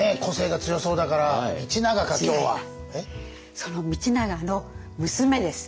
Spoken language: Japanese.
その道長の娘です。